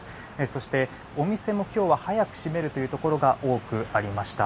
そして、お店も今日は早く閉めるというところが多くありました。